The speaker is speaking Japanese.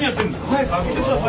早く開けてください。